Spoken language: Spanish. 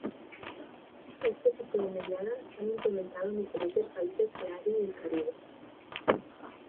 Este tipo de mediada se han implementado en diferentes países de área del Caribe.